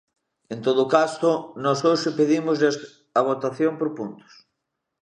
En todo caso, nós hoxe pedímoslles a votación por puntos.